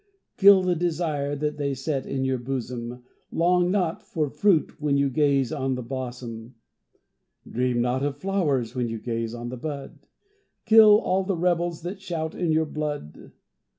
Kill the desire that they set in your bosom, Long not for fruit when you gaze on the blossom, Dream not of flowers when you gaze on the bud, Kill all the rebels that shout in your blood.